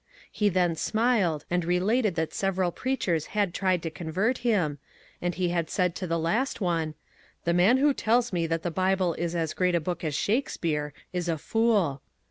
He then smiled and related that several preachers had tried to convert him, and he had said to the last one, *^ The man who tells me that the Bible is as great a book as Shakespeare is a fool."